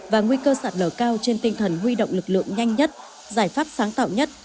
và nguy cơ sạt lở cao trên tinh thần huy động lực lượng nhanh nhất giải pháp sáng tạo nhất